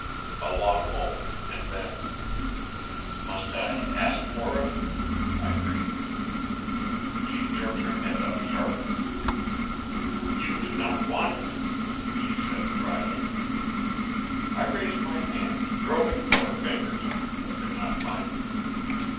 A long moment, and then, "Must I ask for it?" I breathed. She jerked her head up sharply. "You do not want it," she said dryly. I raised my hand, groping for her fingers, but could not find them.